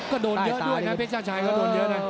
ก็โดนเยอะด้วยนะเพชรชาติชายเขาโดนเยอะไง